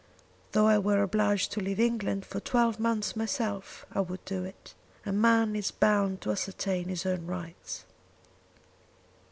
Though I were obliged to leave England for twelve months myself, I would do it. A man is bound to ascertain his own rights."